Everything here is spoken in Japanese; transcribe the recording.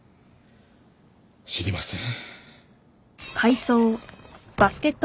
知りません。